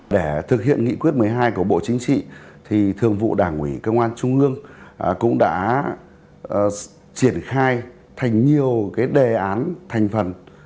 để thực hiện nghị quyết một mươi hai của bộ chính trị thì thường vụ đảng ủy công an trung ương cũng đã triển khai thành nhiều đề án thành phần